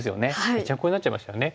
ぺちゃんこになっちゃいましたよね。